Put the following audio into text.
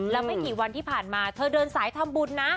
แล้วไม่กี่วันที่ผ่านมาเธอเดินสายทำบุญนะ